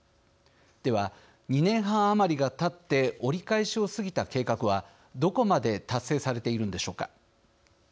では、２年半余りがたって折り返しを過ぎた計画はどこまで達成されているのでしょうか。